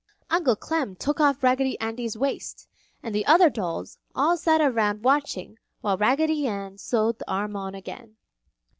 Uncle Clem took off Raggedy Andy's waist, and the other dolls all sat around watching while Raggedy Ann sewed the arm on again.